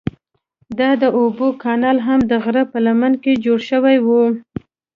دا د اوبو کانال هم د غره په لمنه کې جوړ شوی و.